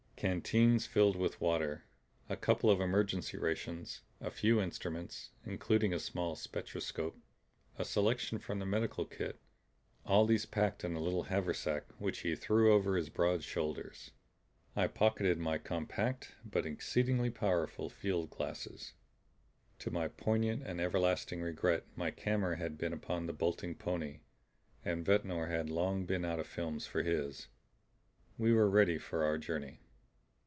Canteens filled with water; a couple of emergency rations, a few instruments, including a small spectroscope, a selection from the medical kit all these packed in a little haversack which he threw over his broad shoulders. I pocketed my compact but exceedingly powerful field glasses. To my poignant and everlasting regret my camera had been upon the bolting pony, and Ventnor had long been out of films for his. We were ready for our journey.